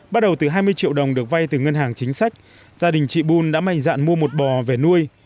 bắt đầu từ hai mươi triệu đồng được vay từ ngân hàng chính sách gia đình chị bun đã mạnh dạn mua một bò về nuôi